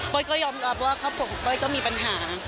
ก็ยอมรับว่าครอบครัวของเป้ยก็มีปัญหา